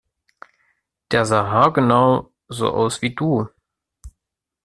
Der sah haargenau so aus wie du!